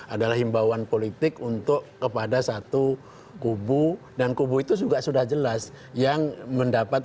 adalah himbauan politik untuk kepada satu kubu dan kubu itu juga sudah jelas yang mendapat